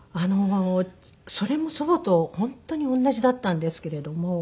それも祖母と本当に同じだったんですけれども。